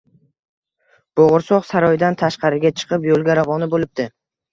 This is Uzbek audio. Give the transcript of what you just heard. bo'g'irsoq saroydan tashqariga chiqib yo’lga ravona bo’libdi